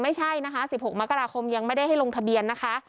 ไม่ใช่นะคะ๑๖มกราคมยังไม่ได้ให้ลงทะเบียนนะคะ